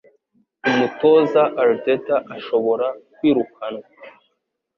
Umutoza Arteta ashobora kwirukanwa